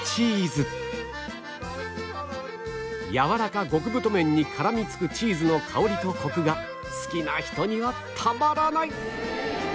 やわらか極太麺に絡みつくチーズの香りとコクが好きな人にはたまらない！